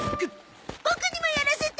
ボクにもやらせて！